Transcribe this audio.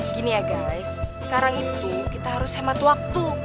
gini ya gale sekarang itu kita harus hemat waktu